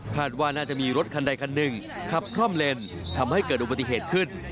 ว่าน่าจะมีรถคันใดคันหนึ่งขับคล่อมเลนทำให้เกิดอุบัติเหตุขึ้น